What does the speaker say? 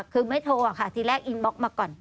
คือไม่โทรค่ะทีแรกอินบล็อกมาก่อน